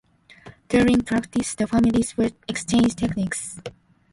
During practice, the families would exchange techniques.